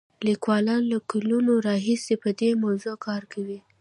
لیکوالان له کلونو راهیسې په دې موضوع کار کوي.